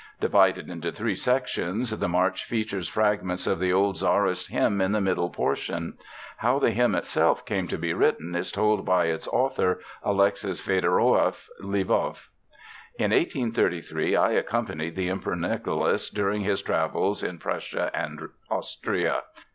Divided into three sections, the march features fragments of the old Czarist hymn in the middle portion. How the hymn itself came to be written is told by its author, Alexis Feodorovich Lvov: "In 1833, I accompanied the Emperor Nicholas during his travels in Prussia and Austria.